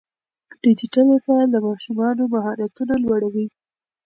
ډیجیټل وسایل د ماشومانو مهارتونه لوړوي.